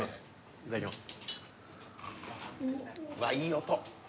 いただきます